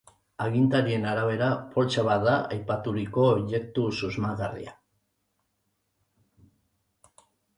Agintarien arabera, poltsa bat da aipaturiko objektu susmagarria.